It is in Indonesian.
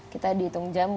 kita dihitung jam